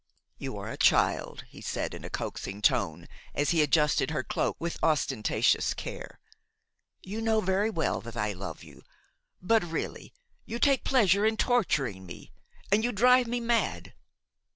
"You are a child," he said, in a coaxing tone, as he adjusted her cloak with ostentatious care; "you know very well that I love you; but really you take pleasure in torturing me, and you drive me mad.